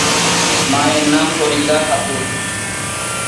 মায়ের নাম ফরিদা খাতুন।